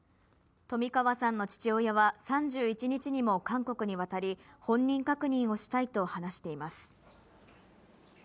冨川さんの父親は、３１日にも韓国に渡り、本人確認をしたいと話しています。